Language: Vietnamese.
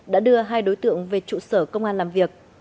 đã đưa hai đối tượng về trụ sở công an làm việc